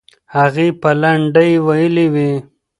هغې به لنډۍ ویلې وي.